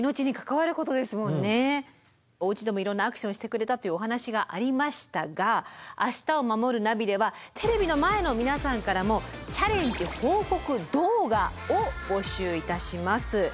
おうちでもいろんなアクションしてくれたというお話がありましたが「明日をまもるナビ」ではテレビの前の皆さんからも「チャレンジ報告動画」を募集いたします。